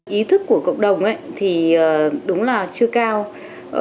ý thức của cộng đồng thì đúng là chưa cao